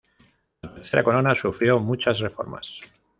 La tercera corona sufrió muchas reformas.